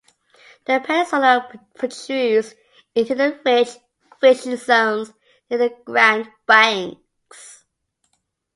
The peninsula protrudes into the rich fishing zones near the Grand Banks.